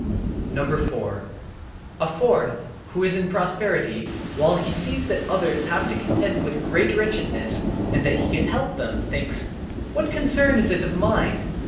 4. A fourth, who is in prosperity, while he sees that others have to contend with great wretchedness and that he could help them, thinks: "What concern is it of mine?